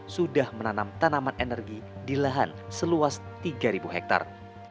sudah menanam tanaman energi di lahan seluas tiga hektare